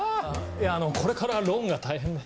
いやこれからローンが大変で。